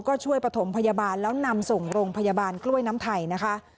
ก็ช่วยประถมพยาบาลแล้วนำส่งโรงพยาบาลกล้วยน้ำไทยนะคะ